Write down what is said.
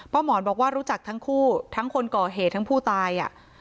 หมอนบอกว่ารู้จักทั้งคู่ทั้งคนก่อเหตุทั้งผู้ตาย